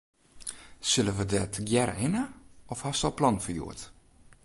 Sille we dêr tegearre hinne of hast al plannen foar hjoed?